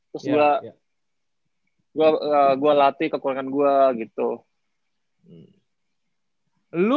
terus gue latih kekurangan gue gitu